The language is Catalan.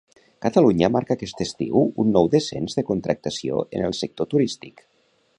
Catalunya marca aquest estiu un nou descens de contractació en el sector turístic.